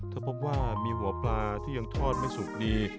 ถ้าพบว่ามีหัวปลาที่ยังทอดไม่สุกดี